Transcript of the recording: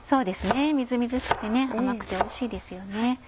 みずみずしくて甘くておいしいですよね。